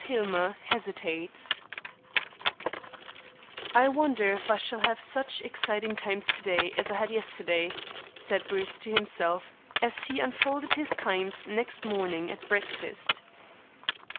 HILLMER HESITATES "I wonder if I shall have such exciting times to day as I had yesterday," said Bruce to himself, as he unfolded his Times next morning at breakfast.